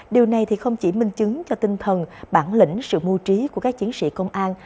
điều này không chỉ minh chứng cho tinh thần bản lĩnh sự mưu trí của các chiến sĩ công an